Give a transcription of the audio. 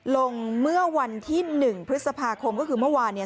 ลงเมื่อวันที่๑พฤษภาคมก็คือเมื่อวานเนี่ย